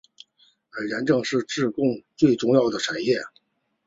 而盐正是自贡最重要的产业。